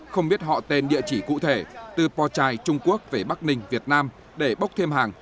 không biết họ tên địa chỉ cụ thể từ po chai trung quốc về bắc ninh việt nam để bốc thêm hàng